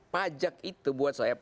pajak itu buat saya